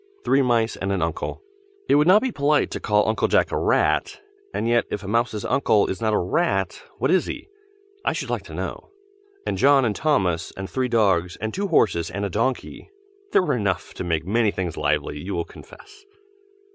Three mice and an uncle, (it would not be polite to call Uncle Jack a rat, and yet if a mouse's uncle is not a rat, what is he, I should like to know?) and John and Thomas, and three dogs and two horses and a donkey, there were enough to make things lively, you will confess.